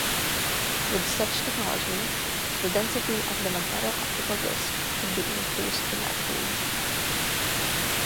With such technology, the density of the magneto-optical disc could be increased dramatically.